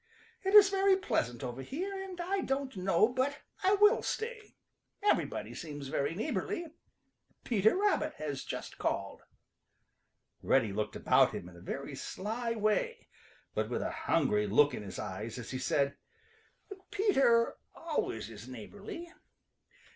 "It is very pleasant over here, and I don't know but I will stay. Everybody seems very neighborly. Peter Rabbit has just called." Reddy looked about him in a very sly way but with a hungry look in his eyes as he said, "Peter always is neighborly.